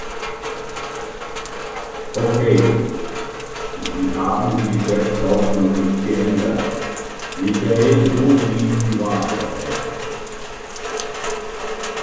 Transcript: Okay, sie haben die Geschäftsordnung nicht geändert, Michael, so sieht die Wahrheit aus.